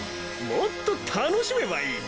もっとたのしめばいい。